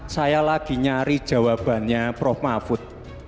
saya lagi nyari jawabannya prof mahfud